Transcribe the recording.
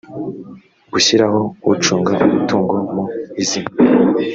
gushyiraho ucunga umutungo mu izina